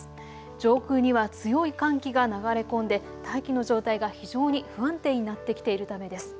上空には強い寒気が流れ込んで大気の状態が非常に不安定になってきているためです。